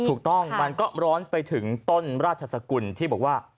ถูกต้องมันก็ร้อนไปถึงต้นราชสกุลที่บอกว่า